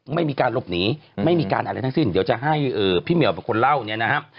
ไม่มีการหลบหนีไม่มีการอะไรทั้งสิ้นเดี๋ยวจะให้พี่เหมียวเป็นคนเล่าเนี่ยนะครับ